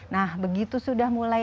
nah begitu sudah mulai lima puluh